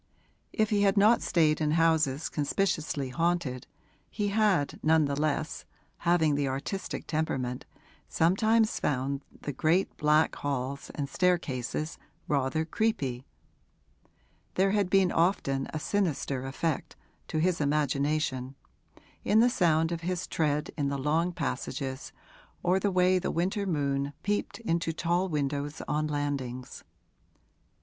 If he had not stayed in houses conspicuously haunted he had, none the less (having the artistic temperament), sometimes found the great black halls and staircases rather 'creepy': there had been often a sinister effect, to his imagination, in the sound of his tread in the long passages or the way the winter moon peeped into tall windows on landings.